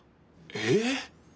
えっ？